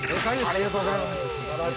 ◆ありがとうございます。